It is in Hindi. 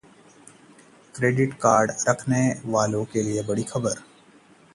क्रेडिट कार्ड रखने वालों के लिए बड़ी खबर